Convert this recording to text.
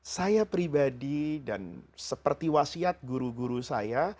saya pribadi dan seperti wasiat guru guru saya